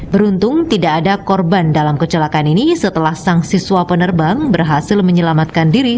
beruntung tidak ada korban dalam kecelakaan ini setelah sang siswa penerbang berhasil menyelamatkan diri